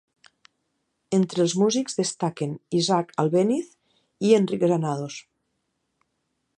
Entre els músics destaquen Isaac Albéniz i Enric Granados.